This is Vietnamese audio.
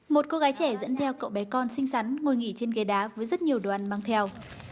một cô gái trẻ dẫn theo cậu bé con xinh xắn ngồi nghỉ trên ghế đá với rất nhiều đoàn mang theo